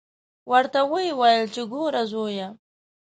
ورته ویې ویل چې ګوره زویه.